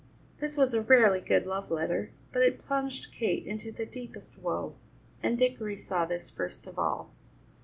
This was a rarely good love letter, but it plunged Kate into the deepest woe, and Dickory saw this first of all.